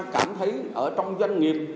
cảm thấy ở trong doanh nghiệp